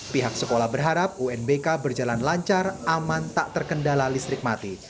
pihak sekolah berharap unbk berjalan lancar aman tak terkendala listrik mati